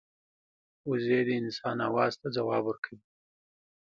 وزې د انسان آواز ته ځواب ورکوي